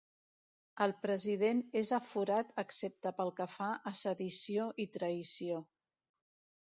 El President és aforat excepte pel que fa a sedició i traïció.